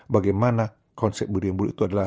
bagaimana konsep budi yang buruk itu adalah